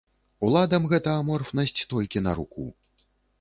Уладам гэта аморфнасць толькі на руку.